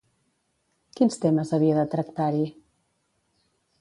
Quins temes havia de tractar-hi?